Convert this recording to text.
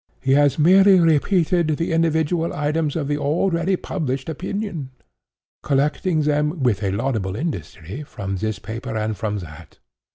He has merely repeated the individual items of the already published opinion; collecting them, with a laudable industry, from this paper and from that.